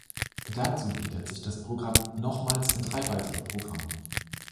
Dazu gliedert sich das Programm nochmals in drei weitere Programme.